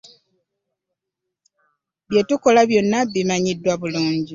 Bye tukola byonna bimanyiddwa bulungi.